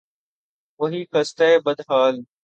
وہی خستہ، بد حال